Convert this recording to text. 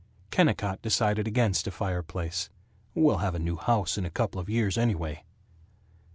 Kennicott decided against a fireplace. "We'll have a new house in a couple of years, anyway."